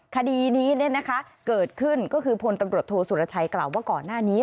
คดีนี้เกิดขึ้นก็คือพลตำรวจโทษสุรชัยกล่าวว่าก่อนหน้านี้